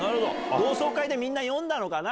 同窓会でみんな読んだのかな？